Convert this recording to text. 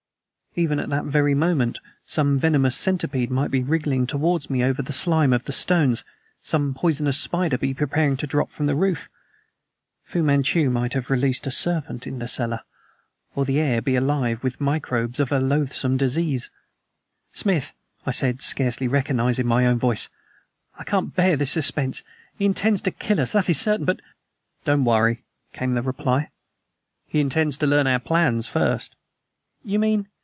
Even at that very moment some venomous centipede might be wriggling towards me over the slime of the stones, some poisonous spider be preparing to drop from the roof! Fu Manchu might have released a serpent in the cellar, or the air be alive with microbes of a loathsome disease! "Smith," I said, scarcely recognizing my own voice, "I can't bear this suspense. He intends to kill us, that is certain, but " "Don't worry," came the reply; "he intends to learn our plans first." "You mean